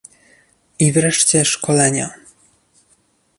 I wreszcie szkolenia